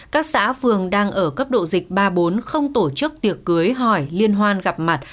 các xã phường đang ở cấp độ dịch ba bốn không tổ chức tiệc cưới hỏi liên hoan gặp mặt